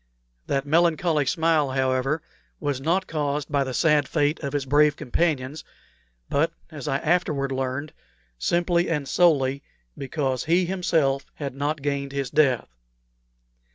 That melancholy smile, however, was not caused by the sad fate of his brave companions, but, as I afterward learned, simply and solely because he himself had not gained his death.